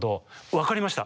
分かりました。